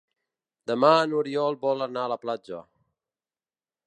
Demà n'Oriol vol anar a la platja.